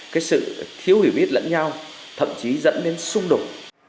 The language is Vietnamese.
cái sự thiếu hiểu biết lẫn nhau thậm chí dẫn đến xung đột